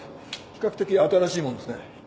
比較的新しいものですね。